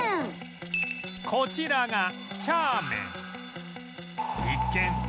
こちらがチャーメン